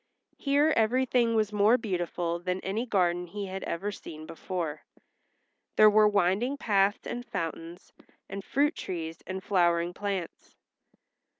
Here everything was more beautiful than any garden he had ever seen before. There were winding paths and fountains, and fruit trees and flowering plants.